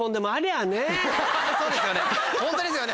そうですよね